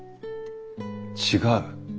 違う。